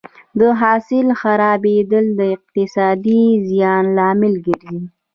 د حاصل خرابېدل د اقتصادي زیان لامل ګرځي.